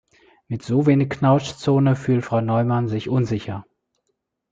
Mit so wenig Knautschzone fühlt Frau Neumann sich unsicher.